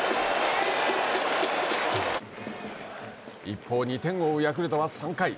一方、２点を追うヤクルトは、３回。